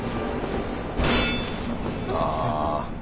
ああ。